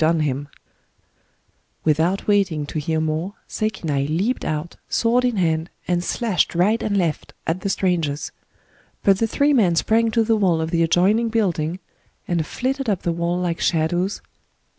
••• waiting to Sekinai leaped out, sword in hand, and slashed right and left, at the strangers. But the three men sprang to the wall of the adjoining building, and flitted up the wall like shadows, and